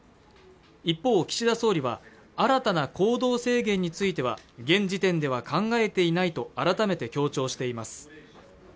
一方岸田総理は新たな行動制限については現時点では考えていないと改めて強調しています